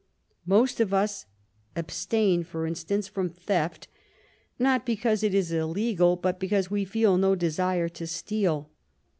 Most of us abstain, for instance, from theft, not because it is illegal, but because we feel no desire to steal.